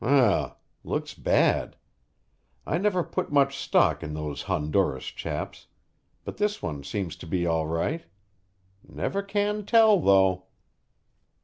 "Um! Looks bad! I never put much stock in those Honduras chaps but this one seems to be all right. Never can tell, though!"